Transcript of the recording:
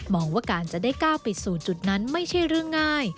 ว่าการจะได้ก้าวไปสู่จุดนั้นไม่ใช่เรื่องง่าย